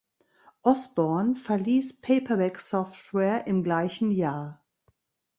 Osborne verließ "Paperback Software" im gleichen Jahr.